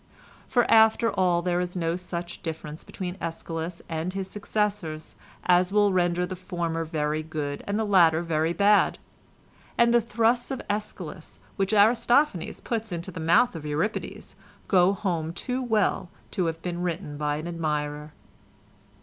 For after all there is no such difference between Æschylus and his successors as will render the former very good and the latter very bad; and the thrusts at Æschylus which Aristophanes puts into the mouth of Euripides go home too well to have been written by an admirer.